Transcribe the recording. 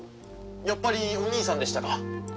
やっぱりお兄さんでしたか。